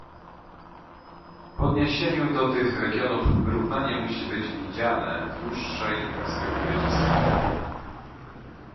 W odniesieniu do tych regionów wyrównywanie musi być widziane w dłuższej perspektywie czasowej